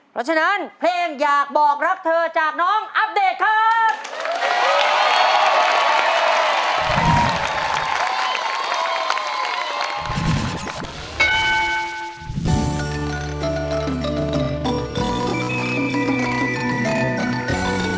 เพราะฉะนั้นเพลงอยากบอกรักเธอจากน้องอัปเดตครับ